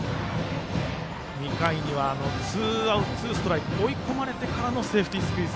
２回にはツーアウトツーストライクと追い込まれてからのセーフティースクイズ。